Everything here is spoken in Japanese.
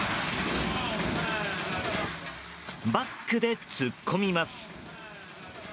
バックで突っ込みます。